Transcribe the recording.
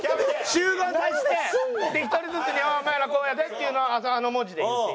集合させてで１人ずつにお前らこうやでっていうのをあの文字で言って。